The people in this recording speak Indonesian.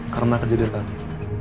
karena kejadian tadi